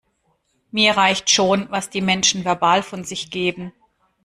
Mir reicht schon, was die Menschen verbal von sich geben.